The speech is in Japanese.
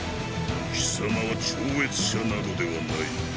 貴様は超越者などではない。